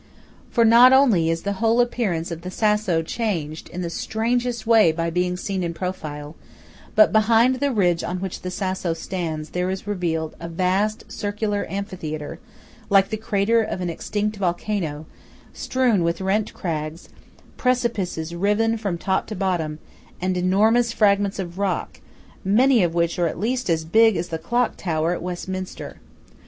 For not only is the whole appearance of the Sasso changed in the strangest way by being seen in profile, but behind the ridge on which the Sasso stands there is revealed a vast circular amphitheatre, like the crater of an extinct volcano, strewn with rent crags, precipices riven from top to bottom, and enormous fragments of rock, many of which are at least as big as the clock tower at Westminster.